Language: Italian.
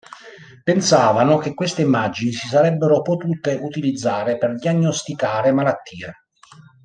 Pensavano che queste immagini si sarebbero potute utilizzare per diagnosticare malattie.